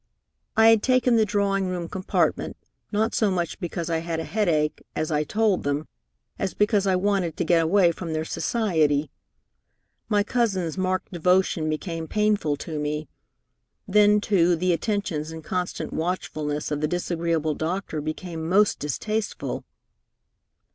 "I had taken the drawing room compartment, not so much because I had a headache, as I told them, as because I wanted to get away from their society. My cousin's marked devotion became painful to me. Then, too, the attentions and constant watchfulness of the disagreeable doctor became most distasteful.